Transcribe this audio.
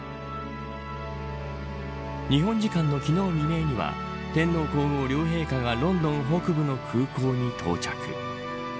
日本時間の昨日未明には天皇皇后両陛下がロンドン北部の空港に到着。